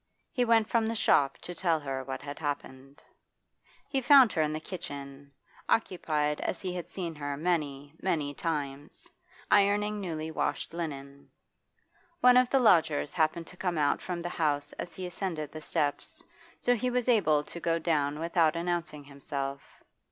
He went from the shop to tell her what had happened. He found her in the kitchen, occupied as he had seen her many, many times, ironing newly washed linen. One of the lodgers happened to come out from the house as he ascended the steps, so he was able to go down without announcing himself.